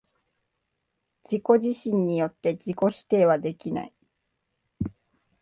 自己自身によって自己否定はできない。